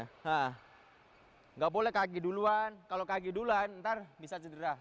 tidak boleh kaki duluan kalau kaki duluan nanti bisa cedera